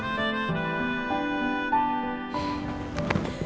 lo tau gak